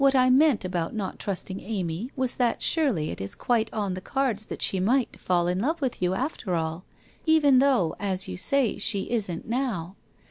' What I meant about not trusting Amy was that surely it is quite on the cards that she might fall in love with you after all, even though, as you say, she isn't now.